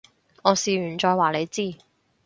我試完再話你知